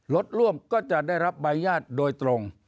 รถร่วมก็จะได้รับใบญาตโดยตรง